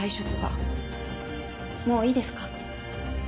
もういいですか？